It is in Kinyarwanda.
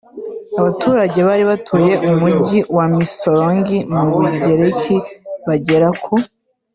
Abaturage bari batuye umujyi wa Missolonghi mu Bugereki bagera ku